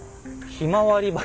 ひまわり畑。